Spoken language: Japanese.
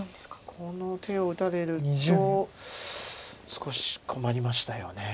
この手を打たれると少し困りましたよね。